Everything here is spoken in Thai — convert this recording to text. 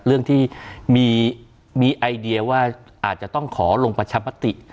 เรื่องที่มีไอเดียว่าอาจจะต้องขอลงประชามติ